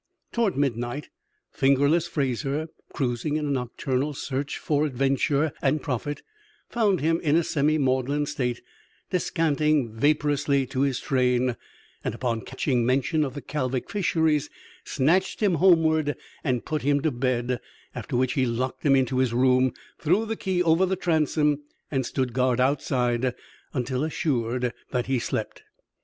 Toward midnight "Fingerless" Fraser, cruising in a nocturnal search for adventure and profit, found him in a semi maudlin state, descanting vaporously to his train; and, upon catching mention of the Kalvik fisheries, snatched him homeward and put him to bed, after which he locked him into his room, threw the key over the transom, and stood guard outside until assured that he slept.